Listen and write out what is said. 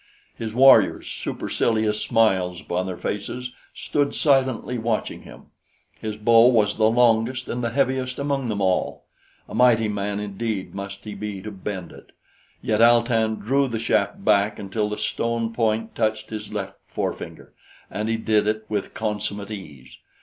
His warriors, supercilious smiles upon their faces, stood silently watching him. His bow was the longest and the heaviest among them all. A mighty man indeed must he be to bend it; yet Al tan drew the shaft back until the stone point touched his left forefinger, and he did it with consummate ease.